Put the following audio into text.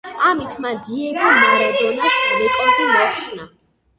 ამით მან დიეგო მარადონას რეკორდი მოხსნა.